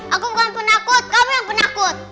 aku bukan penakut kamu yang penakut